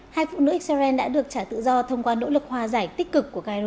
hai phụ nữ israel đã được trả tự do thông qua nỗ lực hòa giải tích cực của cairo